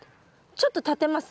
ちょっと立てます？